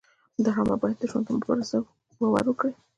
ډرامه باید د ژوند په مبارزه باور ورکړي